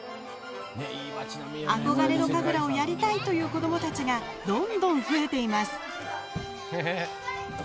憧れの神楽をやりたいという子どもたちがどんどん増えています。